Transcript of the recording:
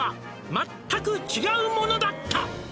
「まったく違うものだった」